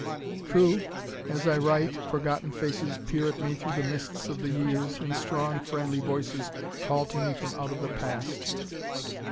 "True. As I write, forgotten faces peer at me through the mists of the years, and strong, friendly voices call to me from out of the past...."